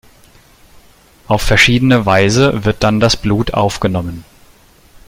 Auf verschiedene Weise wird dann das Blut aufgenommen.